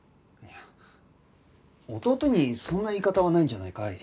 いや弟にそんな言い方はないんじゃないか？